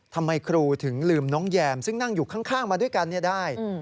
ทำไมครูถึงลืมน้องแยมซึ่งนั่งอยู่ข้างมาด้วยกันได้